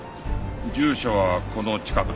住所はこの近くだ。